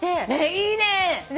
いいね！